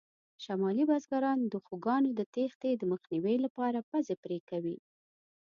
شمالي بزګران د خوکانو د تېښتې د مخنیوي لپاره پزې پرې کوي.